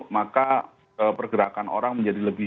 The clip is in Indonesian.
maka pergerakan orang menjadi lebih